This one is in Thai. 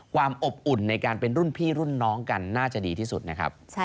ความอบอุ่นในการเป็นรุ่นพี่รุ่นน้องกันน่าจะดีที่สุดนะครับ